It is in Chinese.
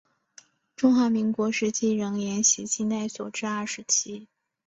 中华民国时期仍沿袭清代所置二十旗。